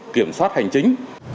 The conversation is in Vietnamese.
kiểm soát hành chính